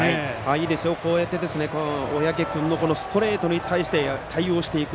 いいですよ、こうやって小宅君のストレートに対して対応していく。